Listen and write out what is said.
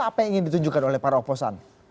apa yang ingin ditunjukkan oleh para oposan